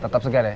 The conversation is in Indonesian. tetap segar ya